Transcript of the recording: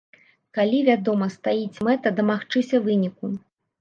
Калі, вядома, стаіць мэта дамагчыся выніку.